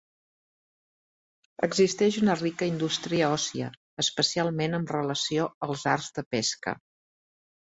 Existeix una rica indústria òssia, especialment amb relació als arts de pesca.